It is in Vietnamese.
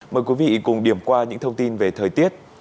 mời quý vị cùng điểm qua những thông tin về thời tiết